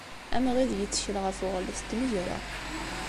Amɣid yettkel ɣef uɣellet n tmegra.